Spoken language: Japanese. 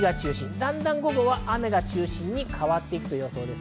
だんだん午後は雨が中心に変わっていく予想です。